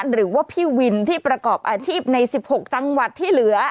หรือว่าพี่วินที่ประกอบอาชีพใน๑๖จังหวัดที่เหลือ